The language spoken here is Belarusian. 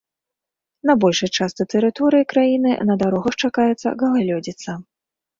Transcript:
На большай частцы тэрыторыі краіны на дарогах чакаецца галалёдзіца.